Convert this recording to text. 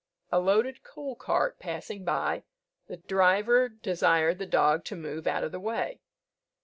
A loaded coal cart passing by, the driver desired the dog to move out of the way.